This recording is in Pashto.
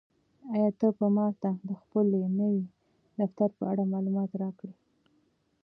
آیا ته به ماته د خپل نوي دفتر په اړه معلومات راکړې؟